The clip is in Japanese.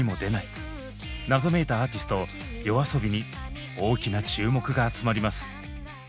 謎めいたアーティストＹＯＡＳＯＢＩに大きな注目が集まります。